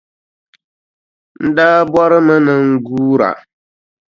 N daa bɔrimi ni n guura.